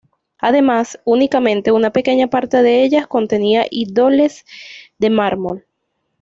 Además, únicamente una pequeña parte de ellas contenían ídolos de mármol.